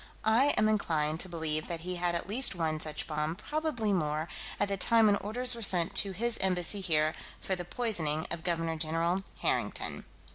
I am inclined to believe that he had at least one such bomb, probably more, at the time when orders were sent to his embassy here, for the poisoning of Governor General Harrington."